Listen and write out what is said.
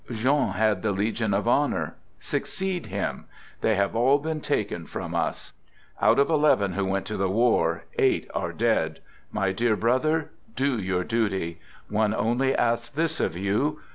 John had the Legion of Honor. Succeed him. They have all been taken from us. Out of eleven who went to the war, eight are dead. My dear brother, do your duty. One only asks this of you.